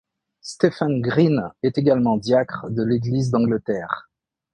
Stephen Green est également diacre de l'Église d'Angleterre.